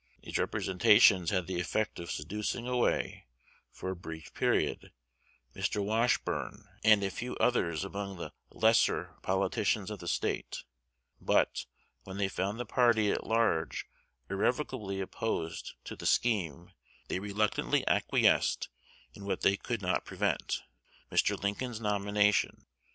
These representations had the effect of seducing away, for a brief time, Mr. Wash burne and a few others among the lesser politicians of the State; but, when they found the party at large irrevocably opposed to the scheme, they reluctantly acquiesced in what they could not prevent, Mr. Lincoln's nomination.